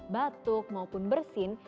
batuk maupun bersin